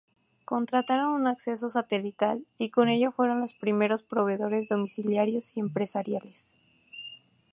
Contrataron un acceso satelital, y con ello fueron los primeros proveedores domiciliarios y empresariales.